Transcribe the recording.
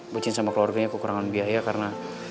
bu cin sama keluarganya kekurangan biaya karena